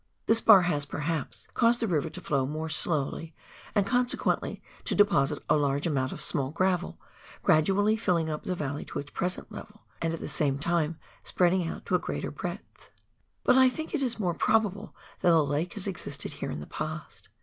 This bar has, perhaps, caused the river to flow more slowly, and consequently to deposit a large amount of small gravel, gradually filling up the valley to its present level, and at the same time spreading out to a greater breadth. But I think that it is more probable that a lake has existed here in the past.